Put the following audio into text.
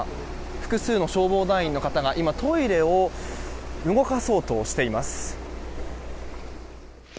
複数の消防団員の方がトイレを動かそうとしています。